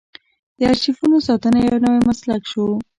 د ارشیفونو ساتنه یو نوی مسلک شو.